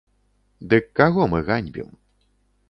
Дык каго мы ганьбім?